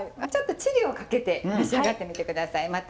ちょっとチリをかけて召し上がってみて下さい。